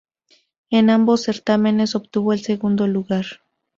En ambos certámenes obtuvo el segundo lugar.